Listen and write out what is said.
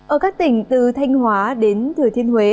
ở các tỉnh từ thanh hóa đến thừa thiên huế